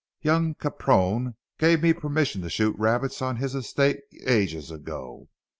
Young Capron gave me permission to shoot rabbits on his estate ages ago.